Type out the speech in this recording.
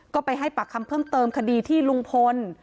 ก็ไปให้ปากคำเพิ่มเติมคดีที่ลุงพล